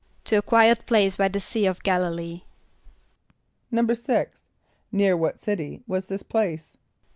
=To a quiet place by the Sea of G[)a]l´[)i] lee.= =6.= Near what city was this place?